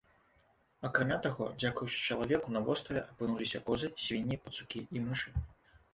Акрамя таго, дзякуючы чалавеку на востраве апынуліся козы, свінні, пацукі і мышы.